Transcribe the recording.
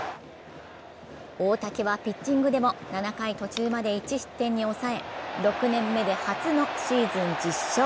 大竹はピッチングでも７回途中まで１失点に抑え６年目で初のシーズン１０勝。